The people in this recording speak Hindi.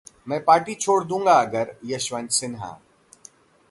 मैं पार्टी छोड़ दूंगा अगर...: यशवंत सिन्हा